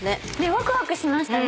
ワクワクしましたね